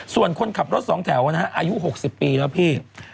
ส่วนคนขับรถสองแถวนะฮะอายุ๖๐ปีแล้วพี่